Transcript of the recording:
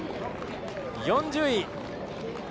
４０位。